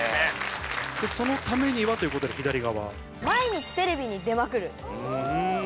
そのためにはということで左側。